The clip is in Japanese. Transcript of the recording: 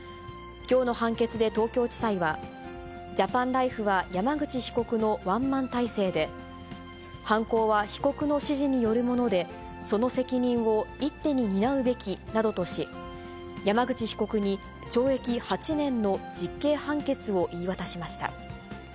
きょうの判決で東京地裁は、ジャパンライフは山口被告のワンマン体制で、犯行は被告の指示によるもので、その責任を一手に担うべきなどとし、山口被告に懲役８年の実刑判決を言い渡しました。